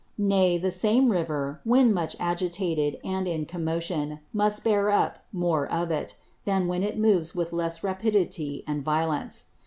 Nay, the same River, when much agitated, and in commotion, must bear up more of it, than when it moves with less rapidity and violence.